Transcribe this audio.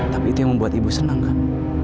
tapi itu yang membuat ibu senang kan